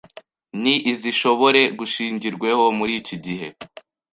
ni izishobore gushingirweho muri iki gihe